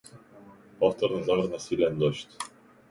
Повторно заврна силен дожд.